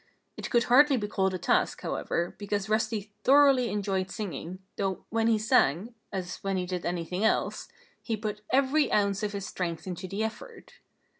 It could hardly be called a task, however, because Rusty thoroughly enjoyed singing, though when he sang as when he did anything else he put every ounce of his strength into the effort.